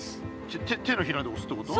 手のひらでおすってこと？